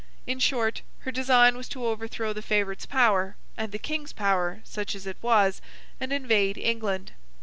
In short, her design was to overthrow the favourites' power, and the King's power, such as it was, and invade England.